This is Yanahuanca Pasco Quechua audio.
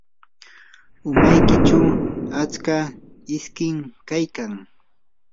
umaykichu atska iskim kaykan.